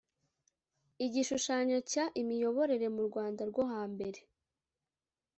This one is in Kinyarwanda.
Igishushanyo cya imiyoborere mu rwanda rwo hambere